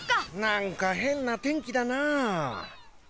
なんかへんなてんきだな。